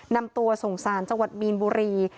นำตัวส่งสารจังหวัดมีนบุรี